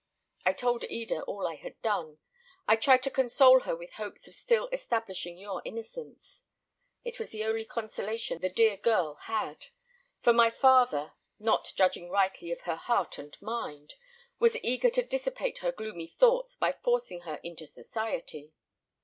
I told Eda all I had done. I tried to console her with hopes of still establishing your innocence. It was the only consolation the dear girl had; for my father, not judging rightly of her heart and mind, was eager to dissipate her gloomy thoughts by forcing her into society.